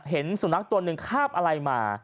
เห็นสุนัขตัวหนึ่งคาบอะไรมา